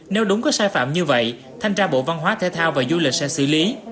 nếu đúng có sai phạm như vậy thanh tra bộ văn hóa thể thao và du lịch sẽ xử lý